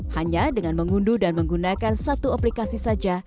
hanya dengan mengunduh dan menggunakan satu aplikasi saja